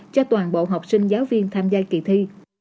cho toàn bộ học sinh giáo viên tham gia kỳ thi